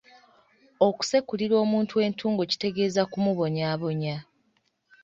Okusekulira omuntu entungo kitegeeza kumubonyaabonya.